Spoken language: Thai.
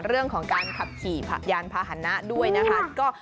เรื่องของการขับขี่ยานพาหนะด้วยนะคะ